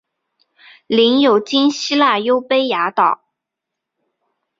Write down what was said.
领有今希腊优卑亚岛。